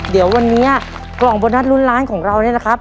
เดี๋ยววันนี้กล่องโบนัสลุ้นล้านของเราเนี่ยนะครับ